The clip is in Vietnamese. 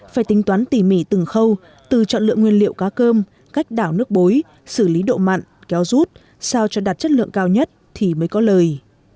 phải tính toán tỉ mỉ từng khâu từ chọn lượng nguyên liệu cá cơm cách đảo nước bối xử lý độ mặn kéo rút sao cho đạt chất lượng cao nhất thì mới có lời